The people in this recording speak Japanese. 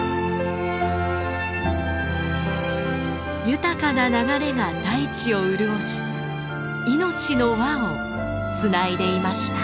豊かな流れが大地を潤し命の輪をつないでいました。